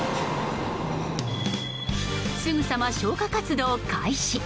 すぐさま消火活動開始。